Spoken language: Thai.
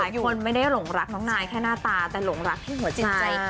คนไม่ได้หลงรักน้องนายแค่หน้าตาแต่หลงรักที่หัวจิตใจ